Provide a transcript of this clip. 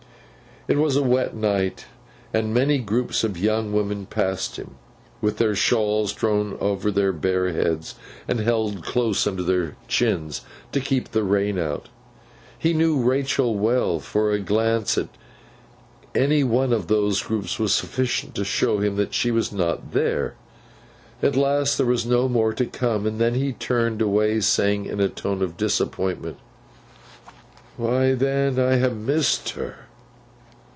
It was a wet night, and many groups of young women passed him, with their shawls drawn over their bare heads and held close under their chins to keep the rain out. He knew Rachael well, for a glance at any one of these groups was sufficient to show him that she was not there. At last, there were no more to come; and then he turned away, saying in a tone of disappointment, 'Why, then, ha' missed her!